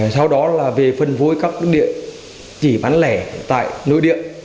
sau đó là về phân phối các nước địa chỉ bán lẻ tại nội địa